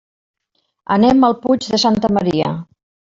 Anem al Puig de Santa Maria.